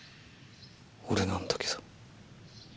俺なんだけど。